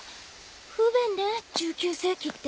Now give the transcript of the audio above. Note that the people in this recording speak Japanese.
不便ね１９世紀って。